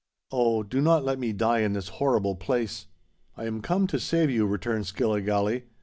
"Oh! do not let me die in this horrible place!" "I am come to save you," returned Skilligalee.